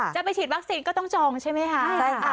จะไปฉีดวัคซีนก็ต้องจองใช่ไหมคะใช่ค่ะ